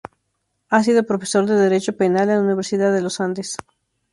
Ha sido profesor de derecho penal en la Universidad de Los Andes.